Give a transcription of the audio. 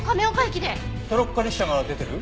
トロッコ列車が出てる？